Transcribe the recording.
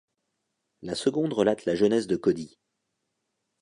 La seconde relate la jeunesse de Cody.